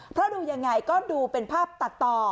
เพราะดูยังไงก็ดูเป็นภาพตัดต่อ